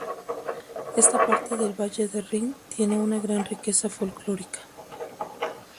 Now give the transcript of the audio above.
Esta parte del valle del Rin tiene una gran riqueza folclórica.